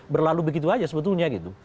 berlalu begitu saja sebetulnya gitu